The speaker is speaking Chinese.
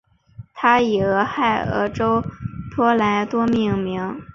它以俄亥俄州托莱多命名。